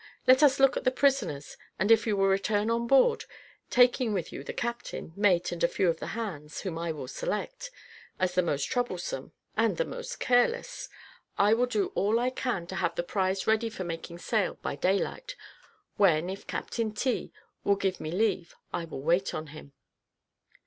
Let us look to the prisoners, and if you will return on board, taking with you the captain, mate, and a few of the hands, whom I will select, as the most troublesome, and the most careless, I will do all I can to have the prize ready for making sail by daylight, when, if Captain T will give me leave, I will wait on him."